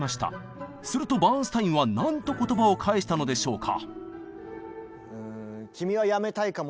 するとバーンスタインは何と言葉を返したのでしょうか？